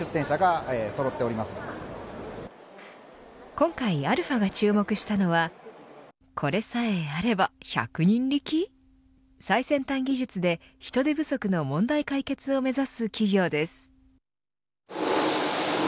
今回、αが注目したのはこれさえあれば百人力最先端技術で人手不足の問題解決を目指す企業です。